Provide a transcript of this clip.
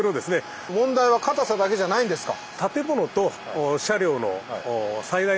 問題は硬さだけじゃないんですか。